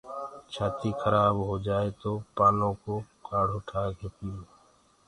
ڇآتي کرآب هوجآئي تو پآنو ڪو ڪآڙهو ٺآڪي پيو۔